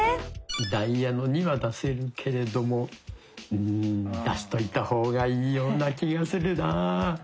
「ダイヤの２」は出せるけれどもうん出しといた方がいいような気がするな。